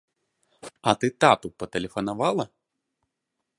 А ты тату патэлефанавала?